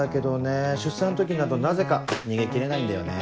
出産の時になるとなぜか逃げ切れないんだよね。